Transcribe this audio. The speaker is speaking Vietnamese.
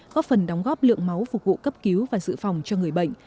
góp phần đóng góp lượng máu phục vụ cấp cứu và dự phòng cho người bệnh